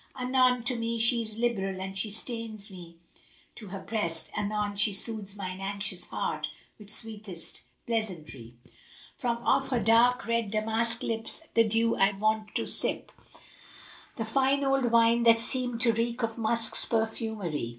Anon to me she is liberal and she strains me to her breast; * Anon she soothes mine anxious heart with sweetest pleasantry: From off her dark red damask lips the dew I wont to sip * The fine old wine that seemed to reek of musk's perfumery.